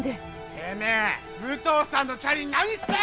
てめえ武藤さんのチャリに何した！！